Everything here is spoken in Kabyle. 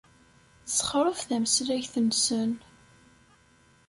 Ssexreb tameslayt-nsen.